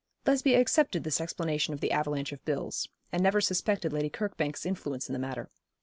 Lesbia accepted this explanation of the avalanche of bills, and never suspected Lady Kirkbank's influence in the matter.